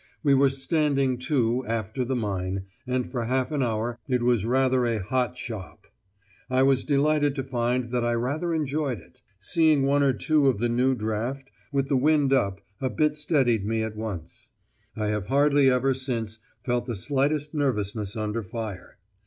We were "standing to" after the mine, and for half an hour it was rather a "hot shop." I was delighted to find that I rather enjoyed it: seeing one or two of the new draft with the "wind up" a bit steadied me at once. I have hardly ever since felt the slightest nervousness under fire.